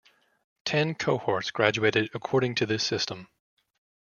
Ten cohorts graduated according to this system.